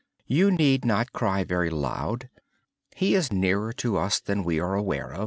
You need not cry very loud. He is nearer to us than we are aware.